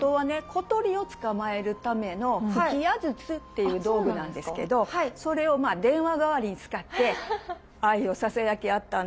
小鳥を捕まえるための吹き矢筒っていう道具なんですけどそれを電話代わりに使って愛をささやき合ったんです。